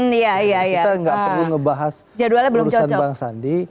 kita tidak perlu membahas urusan bang sandi